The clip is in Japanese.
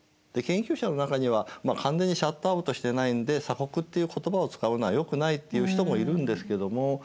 で研究者の中には完全にシャットアウトしてないんで「鎖国」っていう言葉を使うのはよくないって言う人もいるんですけども。